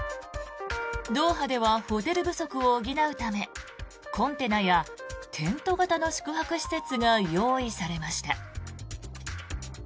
ドーハではホテル不足を補うためコンテナやテント型の宿泊施設が用意されました。